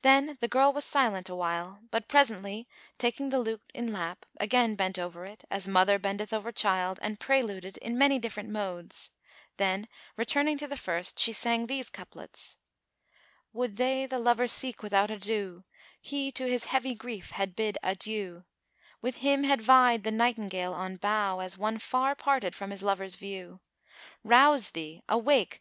Then the girl was silent awhile, but presently taking the lute in lap, again bent over it, as mother bendeth over child, and preluded in many different modes; then, returning to the first, she sang these couplets, "Would they [FN#430] the lover seek without ado, * He to his heavy grief had bid adieu: With him had vied the Nightingale[FN#431] on bough * As one far parted from his lover's view: Rouse thee! awake!